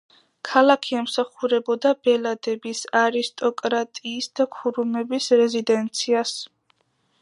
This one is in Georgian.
ქალაქი ემსახურებოდა ბელადების, არისტოკრატიის და ქურუმების რეზიდენციას.